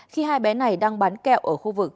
khi hai bé này đang bán kẹo ở khu vực